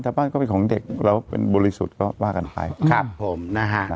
แต่บ้านก็เป็นของเด็กแล้วเป็นบริสุทธิ์ก็ว่ากันไปครับผมนะฮะ